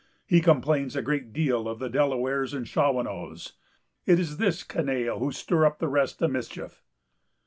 He complains a great deal of the Delawares and Shawanoes. It is this canaille who stir up the rest to mischief."